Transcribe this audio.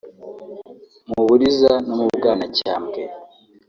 mu Buriza no mu Bwanacyambwe